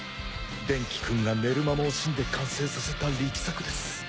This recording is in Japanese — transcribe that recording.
デンキくんが寝る間も惜しんで完成させた力作です。